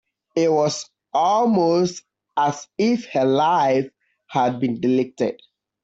It was almost as if her life had been deleted.